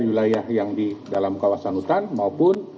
wilayah yang di dalam kawasan hutan maupun